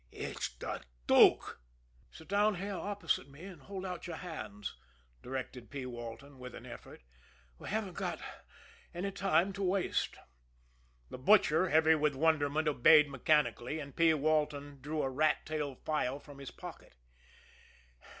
"It's de Dook!" "Sit down there opposite me, and hold out your hands," directed P. Walton, with an effort. "We haven't got any time to waste." The Butcher, heavy with wonderment, obeyed mechanically and P. Walton drew a rat tail file from his pocket.